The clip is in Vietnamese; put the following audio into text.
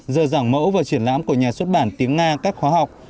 giờ giảng mẫu và triển lãm của nhà xuất bản tiếng nga các khóa học